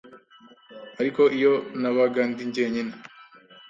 ariko iyo nabaga ndi jyenyine,